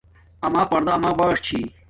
اما پردا اما بݽ چھی